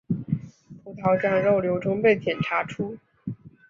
葡萄状肉瘤中被检查出。